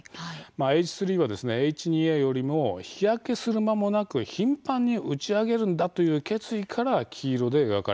Ｈ３はＨ２Ａよりも日焼けするまもなく、頻繁に打ち上げるんだという決意から黄色で描かれているんですね。